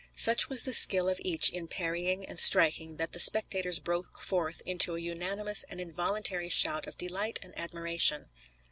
Such was the skill of each in parrying and striking that the spectators broke forth into a unanimous and involuntary shout of delight and admiration.